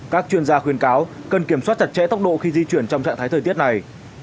các chuyên gia khuyên cáo cần kiểm soát chặt chẽ tốc độ khi di chuyển trong trạng thái thời tiết này